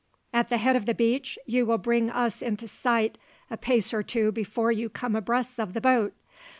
At the head of the beach you will bring us into sight a pace or two before you come abreast of the boat.